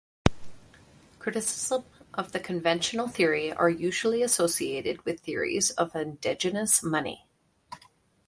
Criticisms of the conventional theory are usually associated with theories of endogenous money.